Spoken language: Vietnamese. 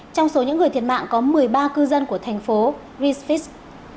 trong số những người thiệt mạng có một mươi ba cư dân của thành phố bridge street